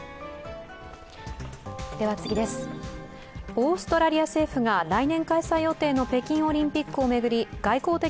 オーストラリア政府が来年開催予定の北京オリンピックを巡り外交的